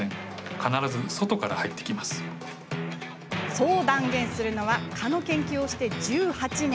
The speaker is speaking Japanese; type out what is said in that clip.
そう断言するのは蚊の研究をして１８年。